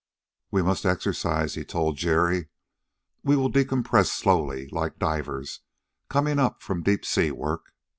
"We must exercise," he told Jerry. "We will decompress slowly, like divers coming up from deep sea work.